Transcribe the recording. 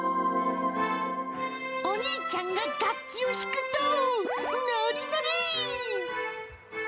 お兄ちゃんが楽器を弾くと、ノリノリ。